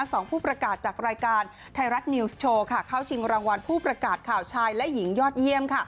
สองผู้ประกาศจากรายการไทยรัฐนิวส์โชว์ค่ะเข้าชิงรางวัลผู้ประกาศข่าวชายและหญิงยอดเยี่ยม